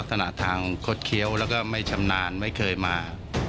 ทางคดเคี้ยวแล้วก็ไม่ชำนาญไม่เคยมา